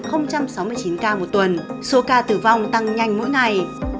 số ca tử vong tăng nhanh mỗi ngày